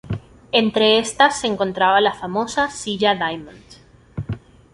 Entre estas se encontraba la famosa "Silla Diamond".